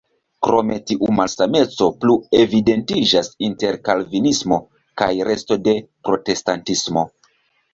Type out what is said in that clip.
Krome tiu malsameco plu evidentiĝas inter kalvinismo kaj resto de protestantismo.